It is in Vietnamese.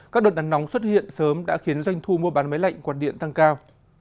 các đợt nắng nóng xuất hiện sớm đã khiến doanh thu mua bán máy lạnh quạt điện tăng cao